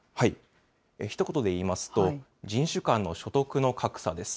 ひと言でいいますと、人種間の所得の格差です。